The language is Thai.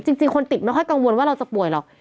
จริงคนติดไม่ค่อยกังวลว่าเราจะป่วยหรอก